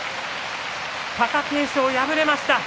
貴景勝、敗れました。